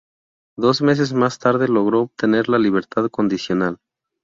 Dos meses más tarde logró obtener la libertad condicional.